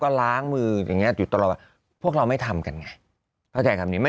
ก็ล้างมืออย่างเงี้อยู่ตลอดว่าพวกเราไม่ทำกันไงเข้าใจคำนี้ไม่